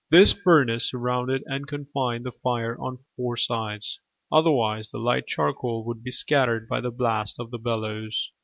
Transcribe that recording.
This furnace surrounded and confined the fire on four sides, otherwise the light charcoal would be scattered by the blast of the bellows.